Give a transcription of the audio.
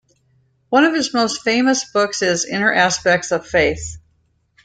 One of his most famous books is "Inner Aspects of Faith".